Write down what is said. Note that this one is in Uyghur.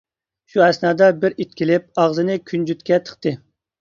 شۇ ئەسنادا بىر ئىت كېلىپ ئاغزىنى كۈنجۈتكە تىقتى.